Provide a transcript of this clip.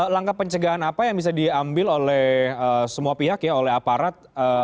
langkah pencegahan apa yang bisa diambil oleh semua pihak ya oleh aparat